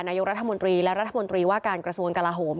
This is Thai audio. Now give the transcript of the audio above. นายกรัฐมนตรีและรัฐมนตรีว่าการกระทรวงกลาโหม